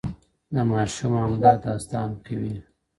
د ماشوم همدا داستان کوي